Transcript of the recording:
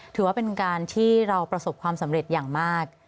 ถือว่าเป็นการที่เราประสบความสำเร็จอย่างมาก